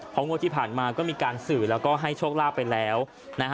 เพราะงวดที่ผ่านมาก็มีการสื่อแล้วก็ให้โชคลาภไปแล้วนะฮะ